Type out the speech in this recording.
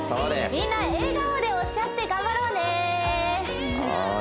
みんな笑顔で押し合って頑張ろうね！